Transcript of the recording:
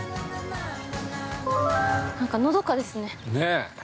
◆なんか、のどかですね。